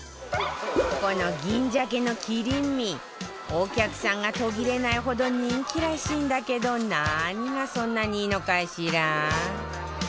この銀鮭の切り身お客さんが途切れないほど人気らしいんだけど何がそんなにいいのかしら？